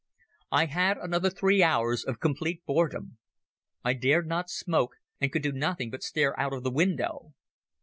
I had another three hours of complete boredom. I dared not smoke, and could do nothing but stare out of the window.